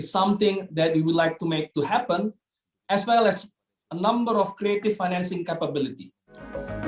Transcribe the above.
serta juga banyak kemampuan pembiayaan kreatif